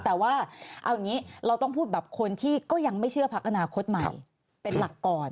แต่ว่าเราต้องพูดแบบคนที่ก็ยังไม่เชื่อพักอนาคตใหม่เป็นหลักกร